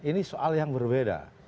ini soal yang berbeda